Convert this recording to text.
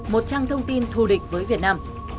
một trang thông tin thù địch với việt nam